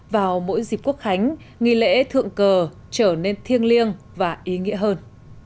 vào mỗi dịp quốc khánh nghi lễ thượng cờ trở nên thiêng liêng và ý nghĩa hơn